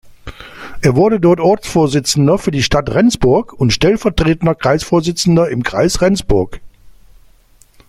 Er wurde dort Ortsvorsitzender für die Stadt Rendsburg und stellvertretender Kreisvorsitzender im Kreis Rendsburg.